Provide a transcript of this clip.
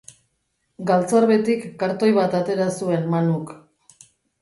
Galtzarbetik kartoi bat atera zuen Manuk.